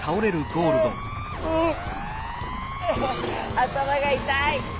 あたまがいたい。